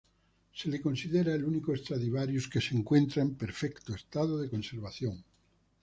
Se le considera el único Stradivarius que se encuentra en perfecto estado de conservación.